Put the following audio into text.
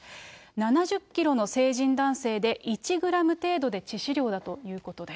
７０キロの成人男性で、１グラム程度で致死量だということです。